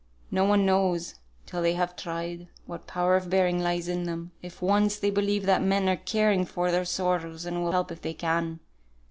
No one knows till they've tried, what power of bearing lies in them, if once they believe that men are caring for their sorrows and will help if they can.